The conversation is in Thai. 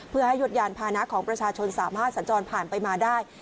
เพื่อให้ยดยานพานะของประชาชนสามารถสัญจรผ่านไปมาได้